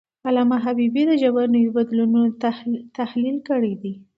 علامه حبیبي د ژبنیو بدلونونو تحلیل کړی دی.